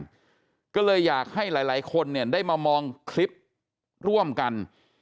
ก็เลยอยากให้หลายคนเนี่ยได้มามองคลิปร่วมกัน